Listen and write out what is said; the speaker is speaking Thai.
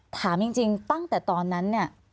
ถามจริงตั้งแต่ตอนนั้น